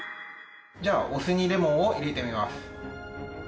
じゃあお酢にレモンを入れてみます。